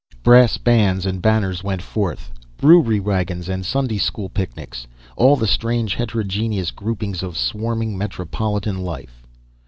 Brass bands and banners went forth, brewery wagons and Sunday school picnics all the strange heterogeneous groupings of swarming metropolitan life.